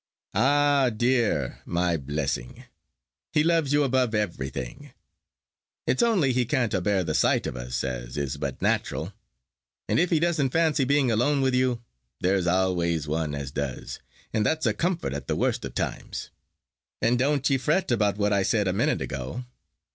"Ah, dear, my blessing, he loves you above everything. It's only he can't a bear the sight of us, as is but natural. And if he doesn't fancy being alone with you, there's always one as does, and that's a comfort at the worst of times. And don't ye fret about what I said a minute ago.